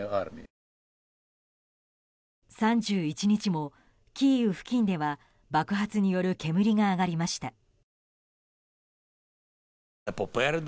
３１日もキーウ付近では爆発による煙が上がりました。